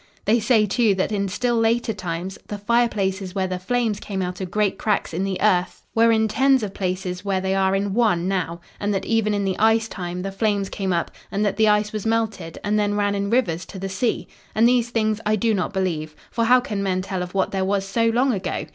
They say, too, that in still later times, the fireplaces where the flames came out of great cracks in the earth were in tens of places where they are in one now, and that, even in the ice time, the flames came up, and that the ice was melted and then ran in rivers to the sea. And these things I do not believe, for how can men tell of what there was so long ago?